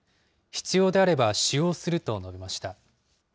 必要であれば使用すると述べました。